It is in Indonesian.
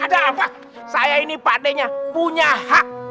ada apa saya ini pak d punya hak